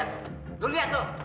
tuh lu liat